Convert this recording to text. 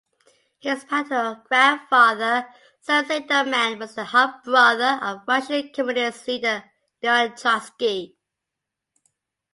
His paternal grandfather, Sam Siederman, was the half-brother of Russian Communist leader Leon Trotsky.